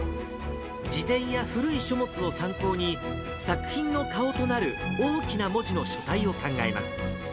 辞典や古い書物を参考に、作品の顔となる大きな文字の書体を考えます。